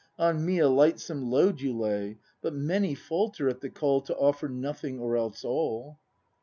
On me a lightsome load you lay. But many falter at the call To offer Nothing or else all.